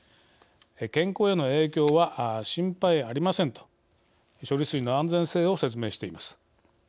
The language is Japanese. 「健康への影響は心配ありません」と処理水の安全性を説明しています。